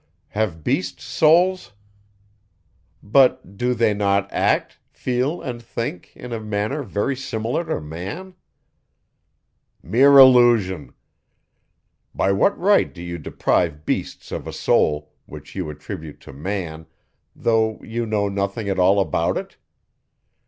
Have beasts souls? But, do they not act, feel, and think, in a manner very similar to man? Mere illusion! By what right do you deprive beasts of a soul, which you attribute to man, though you know nothing at all about it?